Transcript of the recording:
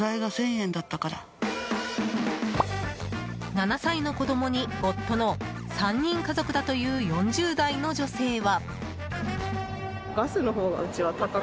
７歳の子供に、夫の３人家族だという４０代の女性は。